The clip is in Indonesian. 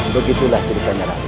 begitulah ceritanya raden